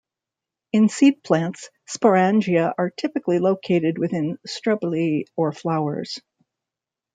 In seed plants, sporangia are typically located within strobili or flowers.